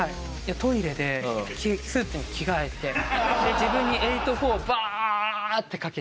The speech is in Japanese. トイレでスーツに着替えてで自分に８×４をバーッてかけて。